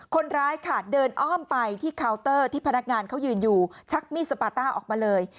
คนร้ายค่ะเดินอ้อมไปที่เคาน์เตอร์ที่พนักงานเขายืนอยู่ชักมีดสปาต้าออกมาเลย